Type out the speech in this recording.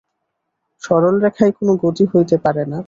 সরলরেখায় কোন গতি হইতে পারে না।